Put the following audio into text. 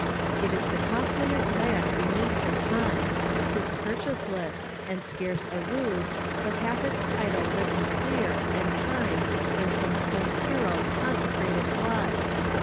It is the costliest land beneath the sun! 'Tis purchaseless! and scarce a rood But hath its title written clear, and signed In some slain hero's consecrated blood.